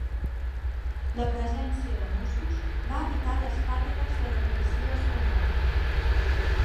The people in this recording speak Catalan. La presència de Mossos va evitar les càrregues de la policia espanyola